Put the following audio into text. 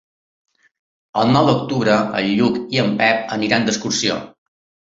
El nou d'octubre en Lluc i en Pep aniran d'excursió.